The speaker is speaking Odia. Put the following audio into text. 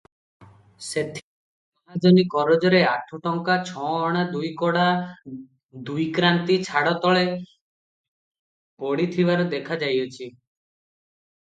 ସେଥିରେ ମହାଜନୀ କରଜରେ ଆଠ ଟଙ୍କା ଛଅଅଣା ଦୁଇକଡ଼ା ଦୁଇକ୍ରାନ୍ତି ଛାଡ଼ ତଳେ ପଡ଼ିଥିବାର ଦେଖାଯାଇଅଛି ।